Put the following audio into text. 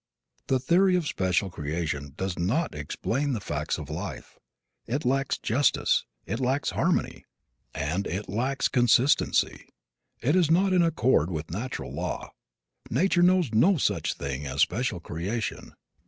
The theory of special creation does not explain the facts of life. It lacks justice, it lacks harmony and it lacks consistency. It is not in accord with natural law. Nature knows no such thing as special creation.